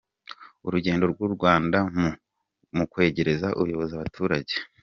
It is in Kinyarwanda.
Urugendo rw’u Rwanda mu kwegereza ubuyobozi abaturage.